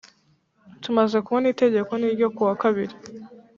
Tumaze kubona Itegeko n ryo kuwa kabiri